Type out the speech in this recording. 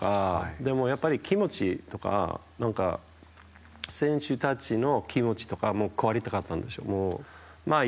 でも、やっぱり気持ちとか選手たちの気持ちとかも変わりたかったんですよ。